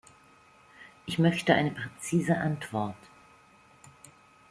Ich möchte eine präzise Antwort.